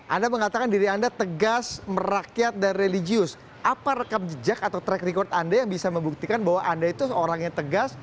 anda mengatakan diri anda tegas merakyat dan religius apa rekam jejak atau track record anda yang bisa membuktikan bahwa anda itu seorang yang tegas